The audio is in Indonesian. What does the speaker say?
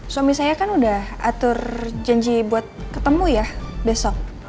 suami saya kan udah atur janji buat ketemu ya besok